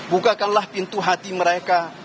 bukakanlah pintu hati mereka